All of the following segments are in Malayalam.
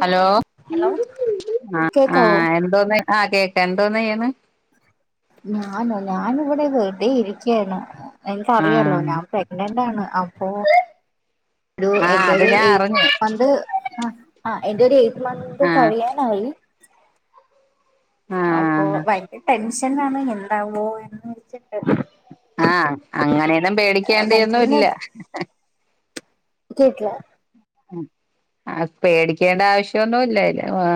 ഹലോ ഹലോ ആ ആ കേക്കാവോ എന്തോന്ന് ആ കേ എന്തോന്നയ്യണ് ഞാനോ ഞാനിവിടെ വെറുതെ ഇരിക്ക്യാണ് ആ എനിക്കറിയാല്ലോ ഞാൻ പ്രെഗ്നന്റാണ് അപ്പോ രു ആ എന്റെ അത് ഒരു ഞാൻ എയ്ത്ത് അറിഞ്ഞു മന്ത് ആ ആ എന്റെ ഒരു എയ് ത്ത് മന്ത് ആ കഴിയാനായി ആ അപ്പൊ ഭയങ്ക ടെൻഷ എനാണ് എന്താവുവോ എന്ന് വച്ചിട്ട് ആ അങ്ങനെയന്നും പേടിക്കേണ്ട എനിക്ക് ഒന്നും പിന്നെ ഇല്ല [inaudible] ആ പേടിക്കേണ്ട ആവശ്യൊന്നുംല്ലല്ലോ ആ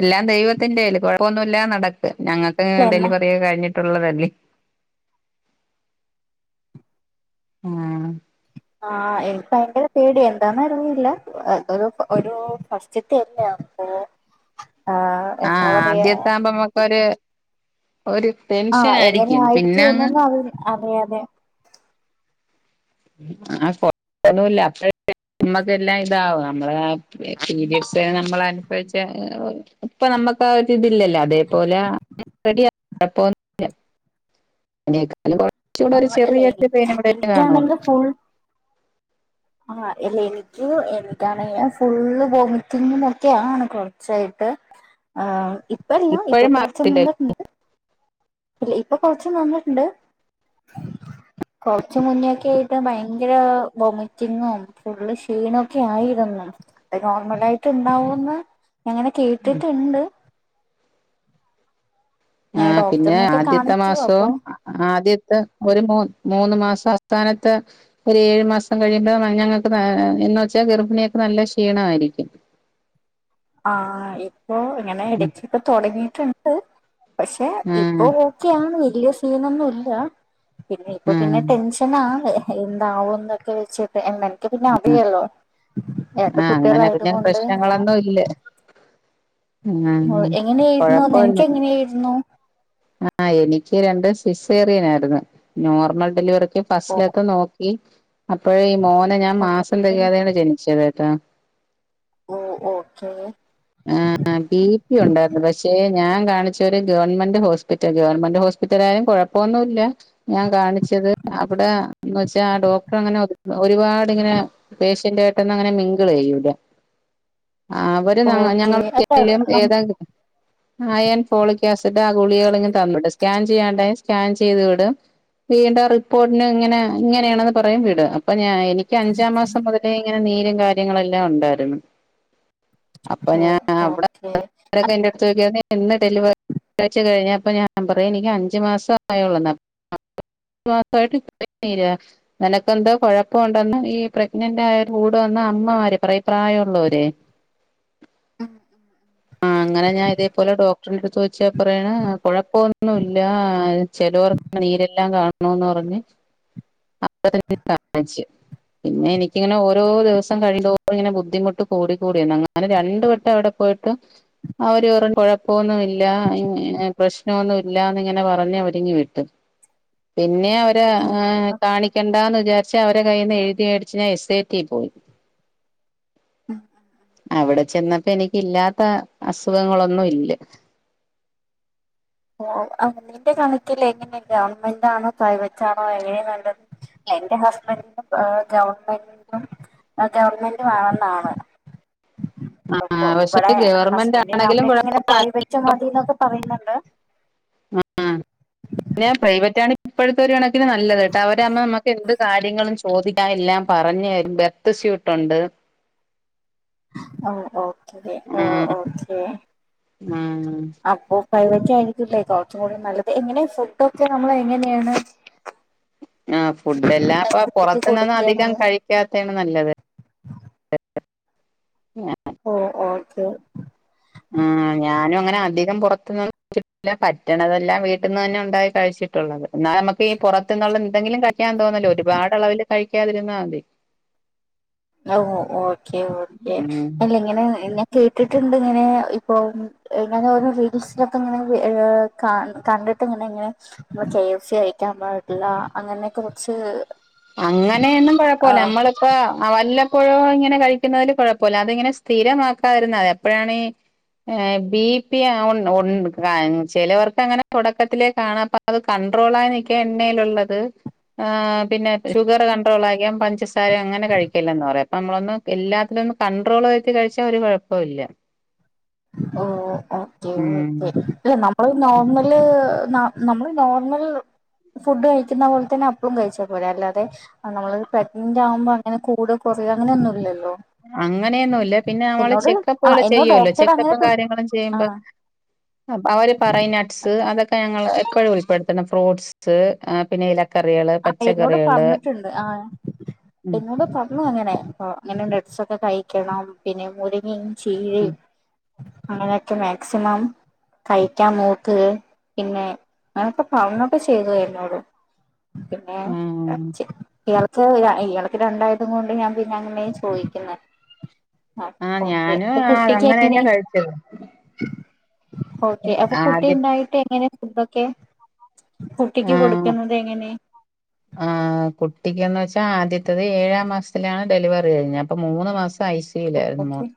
എല്ലാം ദൈവത്തിന്റെകഴില്ല് കൊഴപ്പൊന്നുല്ല നടക്ക ഞങ്ങക്ക് എന്നാ ഡെലിവറിയെ കഴിഞ്ഞ തുള്ളതല്ലേ മൂ ആ എനിക്ക് ഭയങ്കര പേടി എന്താന്നറിയില്ല അത ഒരു ഫസ്റ്റത്തെ അല്ലേ അപ്പൊ ആ ആ എന്താ പറയാ ആദ്യത്ത ആകുമ്പോ മ്മക്കൊരു ആ എങ്ങനെ ആയിരിക്കും ആയിരിക്കു പിന്നെ അങ്ങ് എന്നൊന്നു അവര് അറിയാതെ ആ [inaudible] നമ്മക്കെല്ലാം ഇതാവും നമ്മള പീരിഡ്സ്ന് നമ്മള അനുഭവിച്ച ഇപ്പ നമ്മക്ക് ആ ഇതില്ലല്ല അതേപോലെ [inaudible] കുഴപ്പൊന്നുല്ല എനിക്ക അത് കുറച്ചൂടെ ആ ഒരു അല്ല ചെറിയ എനി പെയിന്നുടൊക്കെ കാണോള്ളു എനിക്കാണെങ്കിൽ ഫുൾ ആ അല്ല എനിക്ക് എനിക്കണേ ഫുള്ള് വോമിറ്റിങ്ങും ഒക്കെയാണ് കുറച്ചായിട്ട് ആ ഇപ്പല്ല ഇപ്പൊ ഇപ്പോഴും കൊറച്ച് മാറത്തില്ലല്ലോ നിന്നിട്ടിണ്ട് ഇല്ല ഇപ്പൊ കൊച്ച് നിന്നിട്ടിണ്ട് കൊറച്ച മുന്നൊക്ക ആയിട്ട് ഭയങ്കര വോമിറ്റിങ്ങും ഫുള്ള് ഷീണൊക്കെ ആയിരുന്ന് അ നോർമലായിട്ട് ഉണ്ടാവന്ന് അങ്ങനെ കേട്ടിട്ടിണ്ട് ആ ഞാൻ പിന്നെ ഡോക്ടറിനൊക്കെ ആദ്യത്തെ കാണിച്ചു അപ്പൊ മാസവും ആദ്യത്തെ ഒരു മൂ മൂന്ന് മാസം സ്ഥാനത്ത് ഒരു ഏഴു മാസം കഴിയുമ്പോ ഞങ്ങക്ക് എന്ന് വച്ചാ ഗർഭിണികൾക്ക് നല്ല ക്ഷീണായിരിക്കും ആ ഇ ഓ ഇങ്ങനെ ഇടയ്ക്കൊക്കെ തുടങ്ങി [inaudible] പക്ഷെ ആ ഇപ്പൊ ഓക്കെയാണ് വലിയ സീനൊന്നും ഇല്ല പിന്നെ ഇപ്പൊ ആ പിന്നെ ടെൻഷനാണ് എന്താവോന്നൊക്കെ വെച്ച് എ നിൻക്ക് പിന്നെ അറിയാല്ലോ ആഹ അങ്ങനെ പിന്നെ പ്രശ്നങ്ങളൊന്നും ഇല്ല ആ ഒ എങ്ങനെയായിരുന്നു നിനക്ക്ങ്ങനെയായിരുന്നു ആ എനിക്ക് രണ്ട് സിസേറിയൻ ആരുന്നു നോർമൽ ഡെലിവറി എനിക്ക് ഓ ഫസ്റ്റ്ലത്തെ നോക്കി അപ്പഴേഈ മോൻ ഞാൻ മാസം തെകയാതെയാണ് ജനിച്ചതേട്ടോ ഓഹ് ഓക്കെ ആ ബി പി ഉണ്ടായിരുന്നു. പക്ഷെ ഞാൻ കാണിച്ച ഒരു ഗവൺമെന്റ് ഹോസ്പിറ്റൽ ഗവൺമെന്റ് ഹോസ്പിറ്റലായാലും കുഴപ്പൊന്നുംല്ല ഞാൻ കാണിച്ചത് അവിടെ ന്ന് വെച്ചാ ആ ഡോക്ടർ അങ്ങനെ ഒരുപാട് ഇങ്ങനെ പേഷ്യന്റ ആയിട്ടൊന്നും അങ്ങനെ മിംഗിൾ ചെയ്യൂല. ആഹ് [unintelligible] ഓക്കെ ഞങ്ങള് അല്ല [unintelligible] നം ഏതാ അയേൺ ഫോളിക് ആസിഡ് ആ ഗുളികകള് ഇങ്ങ് തന്നുവിടും. സ്കാൻ ചെയ്യാ ണ്ടേ സ്കാൻ ചെയ്ത് വിടും വീണ്ടും റിപ്പോർട്ടിന് ഇങ്ങനെ ഇങ്ങനെയാണെന്ന് പറയും വിടും അപ്പ നാ എനിക്ക് അഞ്ചാം മാസം മുതലേ ഇങ്ങനെ നീരും കാര്യങ്ങളെല്ലാം ഉണ്ടായിരുന്നു. അപ്പൊ ഓ ഞാൻ ഓക്കെ അവിടെക്കെ എന്റെ അടുത്ത് ചോദിക്കുവായിരുന്നു ഇന്ന് ഡെലിവറി അഴ്ച്ച കഴിഞ്ഞപ്പൊ ഞാൻ പറയാ എനിക്ക് അഞ്ചു മാസആയോളെന്ന് നിനക്കെന്തോ കൊഴപ്പംണ്ടെന്ന് ഈ പ്രഗ്നന്റ് ആയരു കൂടെ വന്ന അമ്മമാര് പറയും പ്രായമുള്ളവര് ആ അങ്ങനെ ഞാൻ ഇതേപോലെ എടുത്ത വെച്ചാൽ പറയാണ് കുഴപ്പമൊന്നുവില്ല ചിലർ നീരെല്ലാം കാണണന്ന് പറഞ്ഞ് കാണച്ച് പിന്നെ എനിക്കിങ്ങനെ ഓരോ ദിവസം കഴിയുംതോറും ഇങ്ങനെ ബുദ്ധിമുട്ട് കൂട കൂടി വന്ന് അങ്ങനെ രണ്ടു വട്ടം അവിടെ പോയിട്ടും അവര്പറഞ്ഞു കുഴപ്പൊന്നുവില്ല പ്രശ്നമൊന്നും ഇല്ലന്ന് ഇങ്ങനെ പറഞ്ഞ് അവരിങ്ങ് വിട്ട് പിന്നെ അവര് കാണിക്കണ്ടാന്ന് വിചാരി പക്ഷേ അവരെ കൈയ്യിന്ന് എഴുതിവേടിച്ച് എസ് ഏറ്റി പോയി അവിടെ ചെന്നപ്പോ എനിക്ക് ഇല്ലാത്ത അസുഖങ്ങളൊന്നും ഇല്ല ഓ നിന്റെ കണക്കിൽ എങ്ങനെ ഗവണ്മെന്റ്ണോ പ്രൈവറ്റാണോ എങ്ങനെ നല്ലത എന്റെ ഹസ്ബൻഡും ഗവൺമെന്റും ഗവണ്മെന്റും ആണെന്നാണ് ആ അപ്പൊ പക്ഷെ ഇവിടെ ഗവൺമെന്റ് ഹസ്ബൻറിന്റെ ആണെങ്കിലും കുഴ അമ്മയൊക്കെ ഇങ്ങനെ പ്രൈവറ്റ് മതിന്നൊക്കെ പറയുന്നുണ്ട് ആ പിന്നെ പ്രൈവറ്റണ് ഇപ്പോഴത്തെര് കണക്കിന് നല്ലത് കേട്ടോ അവരവുമ്പോ നമുക്ക് എന്ത് കാര്യങ്ങളും ചോദിക്കാം എല്ലാം പറഞ്തരും ബർത്ത് സ്യൂട്ടുണ്ട് ഓ ഓ അതെ ഓ ആ ആഹ് ഓക്കേ ആഹ് പ്രൈവറ്റ് ആയിരിക്കുംല്ലേ കുറച്ചും കൂടെ നല്ലത്, എങ്ങനെ ഫുഡ് ഒക്കെ നമ്മള് എങ്ങനെയാണ്? ആ ഫുഡ് എല്ലാം ഇപ്പൊ കുട്ടിക്ക് പുറത്തുനിന്നും കൊടുക്കാണ് അധികം കഴിക്കാത്തെയാണ് നല്ലത് ഓ ഓക്കെ ഞാനും അങ്ങനെ ആഹ് അധികം പൊറത്ത്ന്ന് [unintelligible] പറ്റണതെല്ലാം വീട്ടിന്ന് തന്നെ ഉണ്ടായി കഴിച്ചിട്ടുള്ളത്. എന്നാ നമുക്ക് ഈ പുറത്ത്ന്നൊള്ള എന്തെങ്കിലും കഴിക്കാൻ തോന്നില്ലേ ഒരുപാട് അളവില് കഴിക് ഴിക്കാതിരുന്നാതി ന്നാ ഓക്കെ ഓക്കെ ഉം അല്ല ഇങ്ങനെ ഞ കേട്ടിട്ട്ണ്ട് ഇങ്ങനെ, ഇപ്പൊ ഇങ്ങനെ ഓരോ റീൽസിലൊക്കെ ഇങ്ങനെ ഏഹ് ക കണ്ടിട്ട് ഇങ്ങനെ ഇങ്ങനെ കെ എഫ് സി കഴിക്കാൻ പാടില്ല അങ്ങനെയൊക്കെ കൊറച്ച് അങ്ങനെയൊന്നും കൊഴപ്പല്ല നമ്മളിപ്പോ വെല്ല ക്കൊയോ ഇങ്ങനെ കഴിക്കുന്നതില് കുഴപ്പല്ല അതിങ്ങനെ സ്ഥിരമാക്കാതിരുന്നാ മതി അപ്പയാണി ഈ ബി പി [unintelligible] ചിലവർക്ക് അങ്ങനെ തൊടക്കത്തിലേ കാണാ അപ്പ അത് കൺണ്ട്രോളായി നിക്കാ എണ്ണയിലുള്ളത് പിന്നെ ഷുഗർ കണ്ട്രോള് അയികം പഞ്ചസാര അങ്ങനെ കഴിക്കെല്ലന്ന് പറയും നമ്മളൊന്ന് എല്ലാത്തിലൊന്ന് കണ്ട്രോൾ വെച്ച് കഴിച്ചാ ഒരു കൊഴപ്പയില്ല ഓഹ് ഓക്കെ ഒക്കെ ഏ നമ് മ്മള് നോർമല് നമ്മള് നോർമൽ ഫുഡ് കഴിക്കുന്ന പോലെ തന്നെ അപ്പളും കഴിച്ചാ പോരെ അല്ലാതെ ആഹ് നമ്മളത് പ്രെഗ്നന്റ് ആവുമ്പം അ ഇങ്ങനെ കൂടാ കൊറയാ അങ്ങനെ ഒന്നുല്ലല്ലോ അങ്ങനെയൊന്നൂല്ല പിന്നെ നമ്മള് ആ ചെക്കപ്പുകള് എന്നോട് ചെയ്യോല്ലോ ഡോക്ടർ അങ്ങനെ ചെക്കപ്പും കാര്യങ്ങളും ആ ചെയ്യുമ്പ അവര് പറയും നട്ട്സ് അതൊ ഇപ്പ ഞങ്ങള് എപ്പഴും ഉൾപ്പെടുത്തണം ഫ്രൂട്ട്സ് പിന്നെ ഇല ആഹ് എന്നോട് പറഞ്ഞ്ട്ട്ണ്ട് ആ ഉം എന്നോട് പറഞ്ഞു അങ്ങനെ ഇങ്ങനെ നട്ട്സ് കഴിക്കണം പിന്നെ മുരിങ്ങി ഉം ചീരയും അങ്ങനെയൊക്കെ മാക്സിമം കഴിക്കാൻ നോക്ക് പിന്നെ അങ്ങനൊക്കെ പറഞ്ഞൊക്കെ ചെയ്തു എന്നോട്. ആഹ് [unintelligible] ഇയാള്ക്ക് രണ്ടായത് കൊണ്ട് ഞാൻ പിന്നെ അങ്ങനെയ് ചോയിക്കുന്നെ ആഹ് ഒക്കെ ഞാനും അപ്പോ ആഹ് കുട്ടിക്ക് അങ്ങനെ എങ്ങനെ തന്നെ കഴിച്ചത് ഓക്കെ അപ്പോ കുട്ടി ആദ്യം ഉണ്ടായിട്ട് എങ്ങനെ തൊക്കെ കുട്ടിക്ക് കൊടുക്കുന്നത് എങ്ങനെ ആ കുട്ടിക്കിന്ന് വെച്ചാ ആദ്യത്തത് ഏഴാം മാസത്തിലാണ് ഡെലിവറി കഴിഞ്ഞേ അപ്പ മൂന്ന് മാസം ഐ സി യുവിലായിരുന്നു മോൻ. ഓക്കെ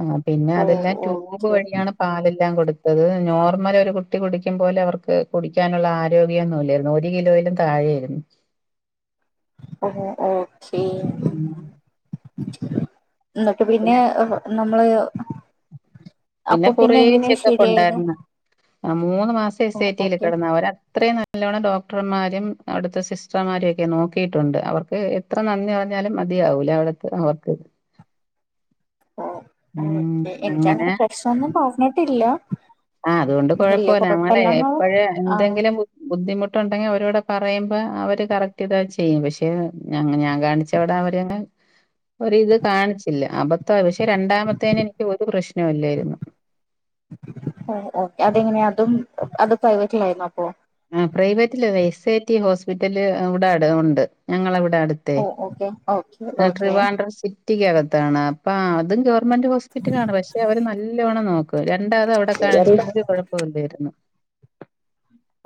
ആ പിന്നെ ഓ അതെല്ലാം ട്യൂബ് ഓക്കെ വഴിയാണ് പാല് ല്ലാം കൊടുത്തത് നോർമല് ഒരു കുട്ടി കുടിക്കും പോലെ അവർക്ക് കുടിക്കാനുള്ള ആരോഗ്യം ഒന്നുല്ലായിരുന്നു ഒരു കിലോയിലും താഴെയായിരുന്നു. ഓഹ് ഓഹ് എന്നിട്ട് പിന്നെ നമ്മള് പിന്നെ അപ്പൊ കുറേ എങ്ങനെ ചെക്കപ്പ് ശരിയായത് ഒണ്ടായിരുന്ന് ആ മൂന്ന് മാസം ഓ എസ് എ ടീ ല് ഓക്കെ കെടന്ന് അവര് അത്രയും ന നല്ലോണം ഡോക്ടർമാരും അവിടുത്തെ സിസ്റ്റർമാരും ഒക്കെ നോക്കിയിട്ടുണ്ട് അവർക്ക് എത്ര നന്ദി പറഞ്ഞാലും മതിയാവൂല അവിടുത്തെ അവർക്ക് ഓ മ് അങ്ങന ഒന്നും [unintelligible] ഇല്ല ആ അതുകൊണ്ട് കൊഴപ്പമില്ല നമ്മളെ എപ്പഴ് ആഹ് എന്തെങ്കിലും ബു ബുദ്ധിമു ട്ടൊണ്ടെങ്കി അവരോടെ പറയുമ്പ അവര് കറക്റ്റ് ഇത് ചെയ്യും പക്ഷെ ഞ ഞാൻ കാണിച്ചവിടെ അവര് പിന്നെ ഒരിത് കാണിച്ചില്ല അബത്താ പക്ഷെ രണ്ടാമത്തേന് എനിക്ക് ഒരു പ്രശ്നവുല്ലേരുന്നു ഓ ഓക്കെ അതെങ്ങനെയ അതും അത് പ്രൈവറ്റിലായിരുന്നൊ അപ്പൊ ആ പ്രൈവറ്റിലല്ല എസ് ഐ ടി ഹോസ്പിറ്റല് ഇവിടെ അട് ഒണ്ട് ഞങ്ങളവി വിടെ അടുത്തെ ഓ ഓക്കെ ഓക്കെ ഓക്കെ ട്രിവാൻട്രം സിറ്റിക്കകത്താണ് ആ [unintelligible] മന്റ് ഹോസ്പിറ്റലാണ് പക്ഷെ അവര് നല്ലവണം നോക്കും രണ്ടാമത് അവിടെ കാണിച്ച് ഷുഗറിന്റെ ഒരു കൊഴപ്പൊല്ലേരുന്നു [inaudible]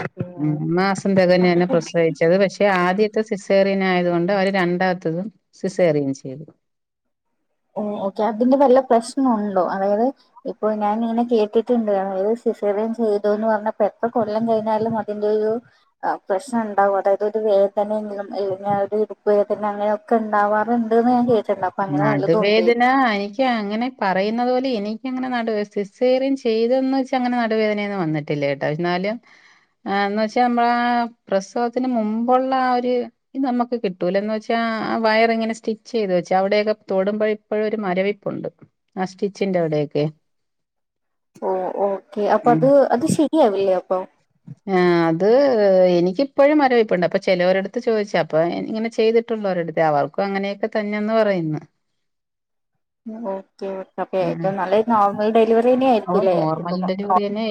ഓക്കെ മ് മാസം തെകഞ്ഞ് തന്ന പ്രസവിച്ചത് പക്ഷെ ആദ്യത്തെ സിസേ [unintelligible] ആയതു കൊണ്ട് അവര് രണ്ടാത്തതും സിസേറിയൻ ചെയ്തു ഓ ഓക്കെ അതിന്റെ വല്ല പ്രശ്നം ഒണ്ടോ അതായത് ഇപ്പൊ ഞാനിങ്ങനെ കേട്ടിട്ടുണ്ട് [unintelligible] സിസേറിയൻ ചെയ്തു എന്ന് പറഞ്ഞപ്പോ എത്ര കൊല്ലം കഴിഞ്ഞാലും അതിന്റെ ഒരു പ്രശ്നം ഉണ്ടാവും അതായത് ഒരു വേദനയെങ്കിലും അല്ലെങ്കിൽ ആ ഒരു ഇടുപ്പുവേദന അങ്ങനെയൊക്കെ ഉണ്ടാവാറുണ്ട്ന്ന് ഞാൻ കേട്ട് ചെന്നപ്പ അങ്ങനെ വല്ല വേദന എനിക്ക് അങ്ങനെ പറ പറയുന്നത് പോലെ എനിക്കങ്ങനെ നടു വേ സിസേറിയൻ ചെയ്തന്ന് വെച്ച് അങ്ങനെ നടുവേദന ഒന്നും വന്നിട്ടില്ല കേട്ട എന്നാലും എന്ന് വെച്ച നമ്മള ആ പ്രസവത്തിന് മുമ്പുള്ള ആ ഒരു ഇത് നമ്മക്ക് കിട്ടൂല എന്ന് വെച്ചാ ആ വയറ് ഇങ്ങന സ്റ്റിച്ച് ചെയ്ത് വെച്ച് അവിടെക്കെ തൊടുമ്പെഴ് ഇപ്പോഴും ഒരു മരവിപ്പുണ്ട് ആ സ്റ്റിച്ചിന്റെ അവിടേക്കെ ഓ ഓക്കെ അപ്പൊ അത് അത് ശരിയാവില്ലേ അപ്പ് [inaudible] ആ അത് എനിക്കിപ്പൊഴും മരവിപ്പുണ്ട് അപ്പൊ ചെലൊരടുത്ത് ചോദിച്ച് അപ്പൊ ഇങ്ങനെ ചെയ്തിട്ടുള്ളോരടുത്ത് അവർക്കും അങ്ങനെയൊക്കെ തന്നെന്ന് പറയുന്നു ഓക്കെ [unintelligible] അപ്പൊ ഏറ്റവും നല്ലത് നോർമൽ ഡെലിവറിന്നെ ഓ ആയിരിക്കുംല്ലേ നോർമൽ ഇപ്പപ്പൊ ഒ ഡെലിവറി തന്നെ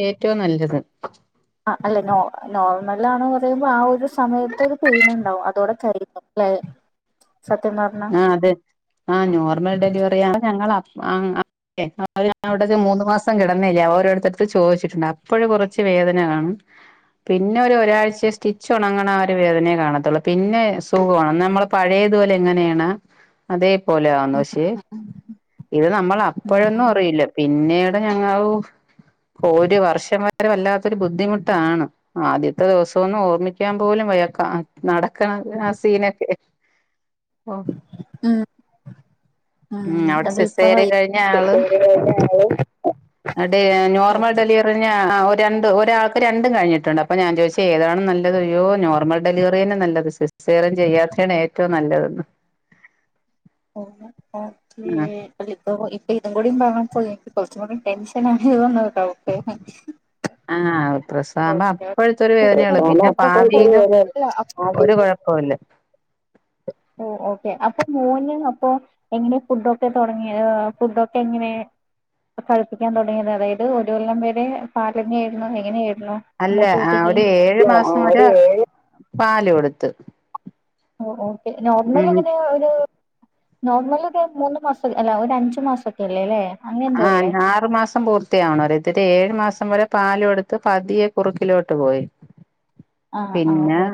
[inaudible] ആ അല്ല നോ നോർമൽ ആണ് കൊറ [unintelligible] ആ ഒരു സമയത്ത് ഒരു പെയിൻ ഇണ്ടാവും അതോടെ കഴിഞ്ഞു ല്ലേ ആ അതെ ആ നോർമൽ ഡെലിവറിയാണ് ഞങ്ങള ആ [inaudible] ഞാൻ അവിടൊരു മൂന്ന് മാസ് [unintelligible] കെടന്നേല്ലേ ഓരോരുത്തടുത്ത് ചോദിച്ചിട്ടുണ്ട് അപ്പൊഴ് കൊറച്ച് വേദന കാണും പിന്നെ ഒരു ഒരാഴ്ച സ്റ്റിച്ച് ഒണങ്ങണ ആ ഒരു വേദനേ കാണത്തൊള്ളൂ പിന്നെ സുഖോണ് നമ്മള് പഴയതുപോലെ എങ്ങനെയാ ണാ അതെ പോലെയാന്ന് പക്ഷേ ഇത് നമ്മള് അപ്പൊഴൊന്നും ഉം അറിയില്ല പി പിന്നീട് ഞങ്ങ ഒരു വർഷം വരെ വല്ലാത്തൊരു ബുദ്ധിമുട്ടാണ് ആദ്യത്തെ ദിവസം ഒന്ന് ഓർമിക്കാൻ പോലും വയക്കാം നട [unintelligible] ആ സീനൊക്കെ ഓ ഉം ഉ ഉം അവിടെ അത് ഇപ്പ സിസേറ്യൻ കഴിഞ്ഞ ആളും ഡെലിവറി കഴിഞ്ഞ ആള് നോർമൽ ഓക്കെ ഡെലിവറിഞ്ഞ രണ്ട് ഒരാൾക്ക് രണ്ടും കഴിഞ്ഞിട്ടുണ്ട് അപ്പൊ ഞാൻ ചോദിച്ച ഏതാണ് നല്ലത് യോ നോർമൽ ഡെലിവറീനെ നല്ലത് സിസേറിയൻ ചെയ്യാത്തെയാണ് ഏറ്റവും നല്ലതെന്ന് ആഹ് [unintelligible] ഇതും കൂടി പറഞ്ഞപ്പഴേ എനിക്ക് കുറച്ചും കൂടി ടെൻഷൻ ആയോ ന്നോ ഡൗട്ട് ആഹ് പ്രസവാകുമ്പോ അപ്പോഴത്തെ ഒരു വേദനയുള്ളൂ പിന്നെ ഭാവിയിലും ഒരു കുഴപ്പവുമില്ല [inaudible] ക്കെ അപ്പൊ മോന് അപ്പോ എങ്ങനെ ഫുഡൊക്കെ തുടങ്ങിയ ഫുഡ് ഒക്കെ എങ്ങനെ കഴിപ്പിക്കാൻ തൊടങ്ങിയത് അതായത് ഒരു കൊല്ലം വെരെ പാലെന്ന ആയിരുന്നൊ എങ്ങനെയാ [unintelligible] അല്ല മൂത്ത ആഹ് കുട്ടിയ്ക്ക് ഒരു ഏഴു മാസം ഒരു വരെ ഏഴ് പാല് കൊടുത്ത് ഓ ഓക്കെ നോർമൽ ഉം അങ്ങനെ ഒരു നോർമല് ഒരു മൂന്ന് മാസം അല്ല ഒരു അഞ്ചു മാസൊക്കെ അല്ലേ ല്ലേ ആ ആറു മാസം പൂർത്തിയാവണം ഇതൊര് ഏഴ് മാസം വരെ പാല് കൊടുത്ത് പതിയെ കുറുക്കിലോട്ട് പോയി ആ ആ പിന്നെ ഓ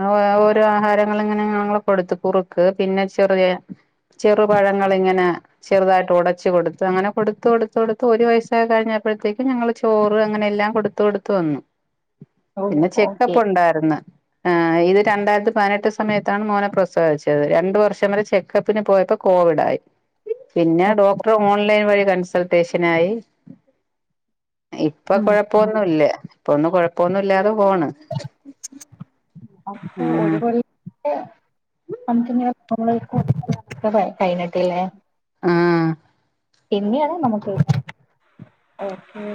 അ ഓരോ ആഹാരങ്ങളങ്ങനെ ഞങ്ങൾ കൊടുത്ത് കുറുക്ക് പിന്നെ ചെറിയ ചെറുപഴങ്ങളിങ്ങനെ ചെറുതായിട്ട് ഉടച്ച് കൊടുത്ത് ത്ത് അങ്ങനെ കൊടുത്ത് കൊടുത്ത് കൊടുത്ത് ഒരു വയസായി കഴിഞ്ഞപ്പോഴത്തേക്കും ഞങ്ങള് ചോറ് അങ്ങനെ എല്ലാം കൊടുത്ത് കൊടുത്ത് വന്നു ഓ പിന്നെ ഓക്കെ ചെക്കപ്പുണ്ടായിര്ന്ന് ആ ഇത് രണ്ടായിരത്തി പതിനെട്ട് സമയത്താണ് മോനെ പ്രസവിച്ചത് രണ്ടു വർഷം വരെ ചെക്കപ്പിന് പോയപ്പോ കോവിഡായി പിന്നെ ഡോക്ടർ ഓൺലൈൻ വഴി കൺസൾട്ടേഷനായി ഇപ്പൊ ഉം ഉം കൊഴപ്പൊന്നൂല്ല ഇപ്പൊന്നും കൊഴപ്പൊന്നും ഇല്ലാതെ പോണ് അപ്പൊ ആഹ് ഒരു [unintelligible] നമുക്കിങ്ങനെ [unintelligible] ത്തില്ലേ ആ പിന്നെയാണ് നമുക്ക് ഓക്കെ